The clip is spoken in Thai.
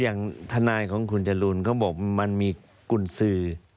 อย่างทนายของคุณจรูนเขาบอกมันมีกุญสือ